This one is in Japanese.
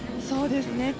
そうですね。